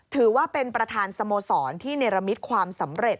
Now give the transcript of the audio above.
ถือว่าเป็นประธานสโมสรที่เนรมิตความสำเร็จ